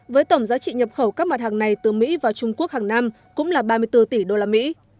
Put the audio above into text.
với tổng giá trị nhập khẩu các mặt hàng này từ mỹ vào trung quốc hàng năm cũng là ba mươi bốn tỷ đô la mỹ